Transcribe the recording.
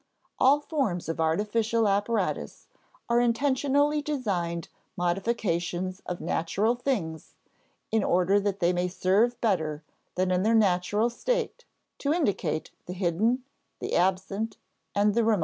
All forms of artificial apparatus are intentionally designed modifications of natural things in order that they may serve better than in their natural estate to indicate the hidden, the absent, and the remote.